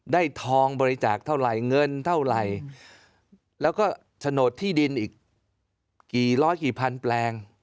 ทองบริจาคเท่าไหร่เงินเท่าไหร่แล้วก็โฉนดที่ดินอีกกี่ร้อยกี่พันแปลง